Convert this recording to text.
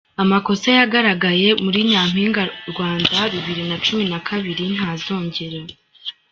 Amakosa yagaragaye muri Nyaminga Rwanda Bibiri nacumi nakabiri ntazongera